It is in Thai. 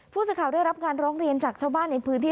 ผู้สื่อข่าวได้รับการร้องเรียนจากชาวบ้านในพื้นที่